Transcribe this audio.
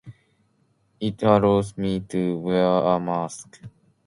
It allows me to wear a mask.